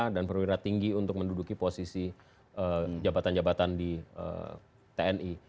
dan perwira tinggi untuk menduduki posisi jabatan jabatan di tni